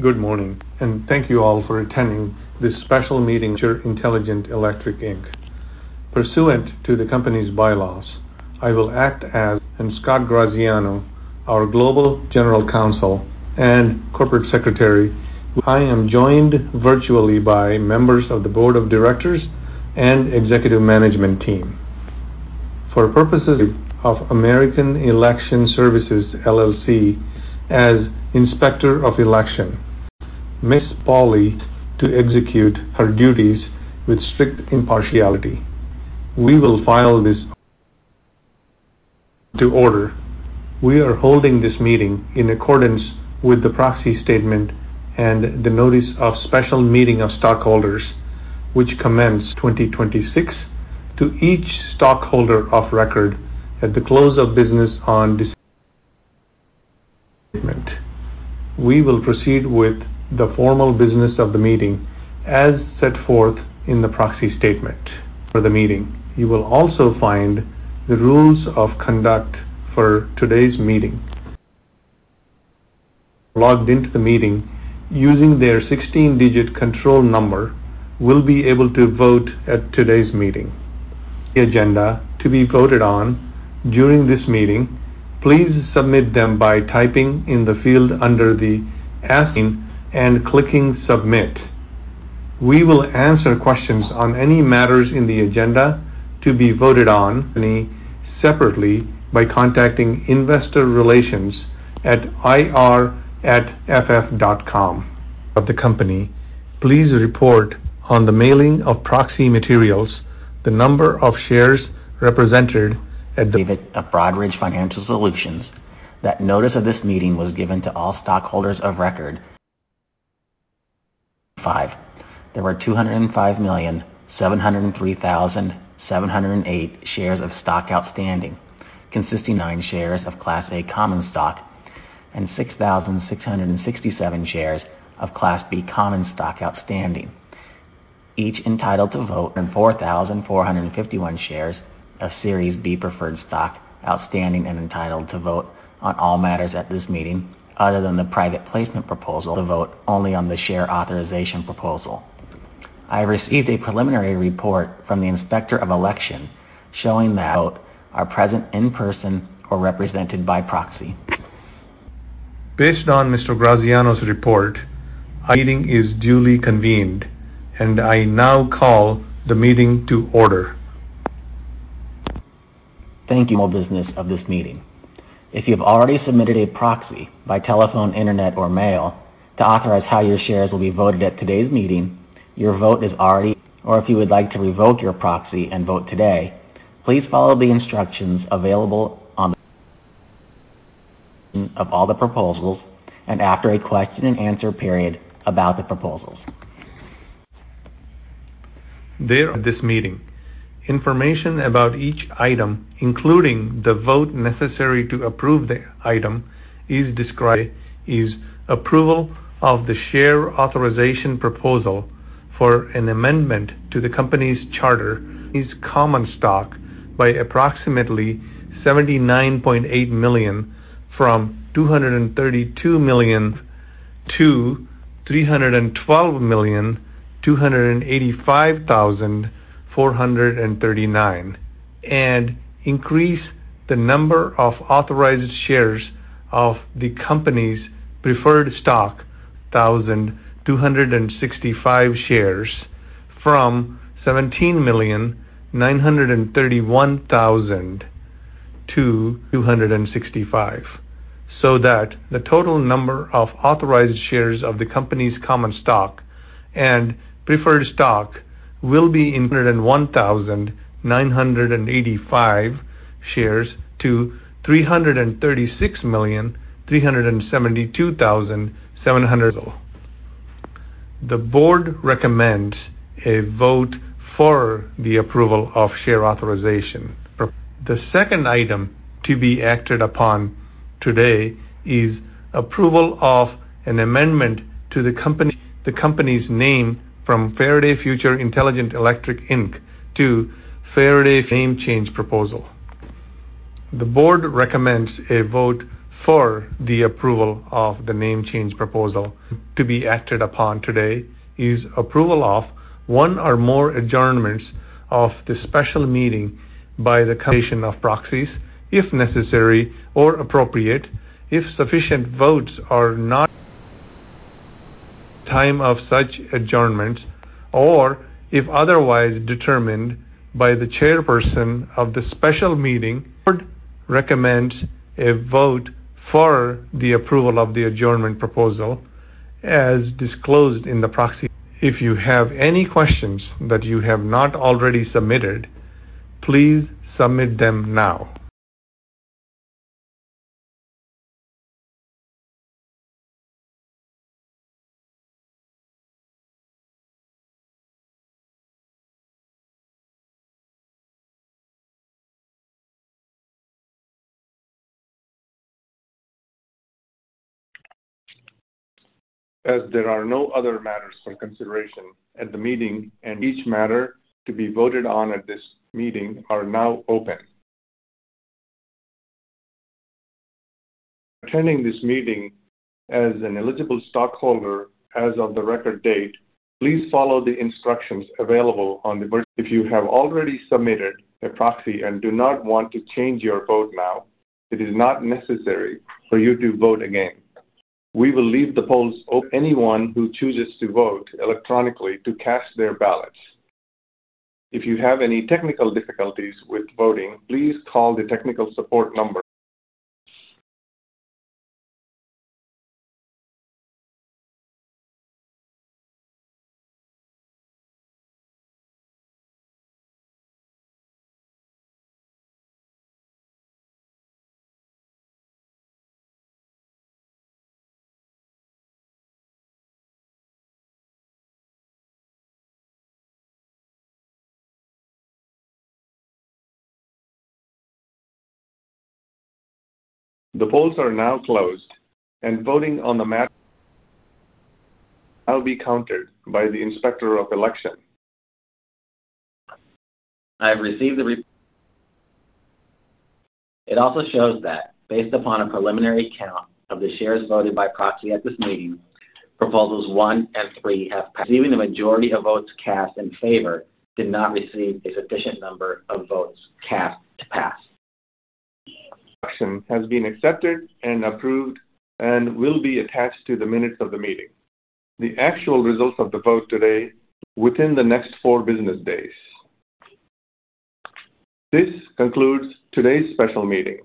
Good morning, and thank you all for attending this special meeting, Faraday Future Intelligent Electric Inc. Pursuant to the company's bylaws, I will act as.... and Scott Graziano, our Global General Counsel and Corporate Secretary. I am joined virtually by members of the Board of Directors and Executive Management team. For purposes of American Election Services, LLC, as Inspector of Election, Ms. Pauli, to execute her duties with strict impartiality. We will file this to order. We are holding this meeting in accordance with the proxy statement and the notice of special meeting of stockholders, which commenced 2026 to each stockholder of record at the close of business on December statement. We will proceed with the formal business of the meeting as set forth in the proxy statement. For the meeting, you will also find the rules of conduct for today's meeting. Logged into the meeting using their 16-digit control number will be able to vote at today's meeting. The agenda to be voted on during this meeting, please submit them by typing in the field under the 'Ask' and clicking 'Submit'. We will answer questions on any matters in the agenda to be voted on separately by contacting investor relations at ir@ff.com. Of the company, please report on the mailing of proxy materials, the number of shares represented at the- David of Broadridge Financial Solutions, that notice of this meeting was given to all stockholders of record. Five. There were 205,703,708 shares of stock outstanding, consisting nine shares of Class A Common Stock and 6,667 shares of Class B Common Stock outstanding, each entitled to vote... and 4,451 shares of Series B Preferred Stock outstanding and entitled to vote on all matters at this meeting, other than the private placement proposal to vote only on the share authorization proposal. I received a preliminary report from the Inspector of Election, showing that are present in person or represented by proxy. Based on Mr. Graziano's report, meeting is duly convened, and I now call the meeting to order. Thank you. All business of this meeting. If you've already submitted a proxy by telephone, internet, or mail to authorize how your shares will be voted at today's meeting, your vote is already... or if you would like to revoke your proxy and vote today, please follow the instructions available on the... of all the proposals and after a question-and-answer period about the proposals. There, at this meeting, information about each item, including the vote necessary to approve the item, is described. Is approval of the share authorization proposal for an amendment to the company's charter. Is common stock by approximately 79.8 million from 232 million to 312,285,439, and increase the number of authorized shares of the company's preferred stock, 265,000 shares from 17,931,000 to 265,000, so that the total number of authorized shares of the company's common stock and preferred stock will be in 101,985 shares to 336,372,700. The Board recommends a vote for the approval of share authorization. The second item to be acted upon today is approval of an amendment to the company's name from Faraday Future Intelligent Electric Inc to Faraday name change proposal. The Board recommends a vote for the approval of the name change proposal. To be acted upon today is approval of one or more adjournments of the special meeting by the completion of proxies, if necessary or appropriate, if sufficient votes are not time of such adjournment, or if otherwise determined by the Chairperson of the special meeting. The Board recommends a vote for the approval of the adjournment proposal as disclosed in the proxy. If you have any questions that you have not already submitted, please submit them now. As there are no other matters for consideration at the meeting, and each matter to be voted on at this meeting are now open. ...attending this meeting as an eligible stockholder as of the record date, please follow the instructions available on the. If you have already submitted a proxy and do not want to change your vote now, it is not necessary for you to vote again. We will leave the polls. Anyone who chooses to vote electronically to cast their ballots. If you have any technical difficulties with voting, please call the technical support number. The polls are now closed, and voting on the matter will now be counted by the Inspector of Election. I have received the.... It also shows that based upon a preliminary count of the shares voted by proxy at this meeting, proposals one and three have passed. Even the majority of votes cast in favor did not receive a sufficient number of votes cast to pass. Has been accepted and approved and will be attached to the minutes of the meeting. The actual results of the vote today within the next four business days. This concludes today's special meeting.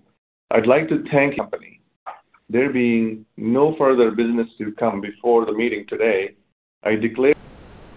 I'd like to thank— There being no further business to come before the meeting today, I declare—